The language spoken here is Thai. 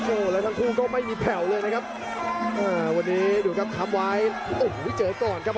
โอ้โหแล้วทั้งคู่ก็ไม่มีแผ่วเลยนะครับวันนี้ดูครับค้ำไว้โอ้โหเจอก่อนครับ